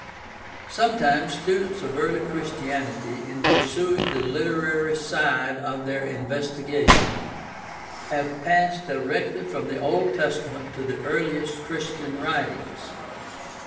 Sometimes students of early Christianity, in pursuing the literary side of their investigation, have passed directly from the Old Testament to the earliest Christian writings.